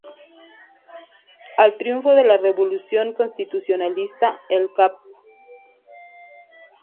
Al triunfo de la revolución constitucionalista el Cap.